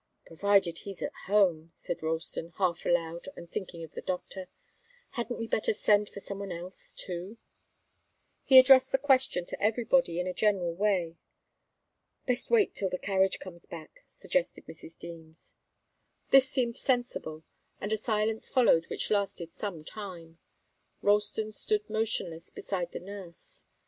"Provided he's at home," said Ralston, half aloud and thinking of the doctor. "Hadn't we better send for some one else, too?" He addressed the question to everybody, in a general way. "Best wait till the carriage comes back," suggested Mrs. Deems. This seemed sensible, and a silence followed which lasted some time. Ralston stood motionless beside the nurse.